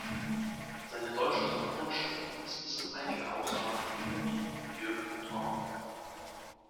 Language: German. Seine deutsche Synchronstimme ist bis auf einige Ausnahmen überwiegend Jürgen Thormann.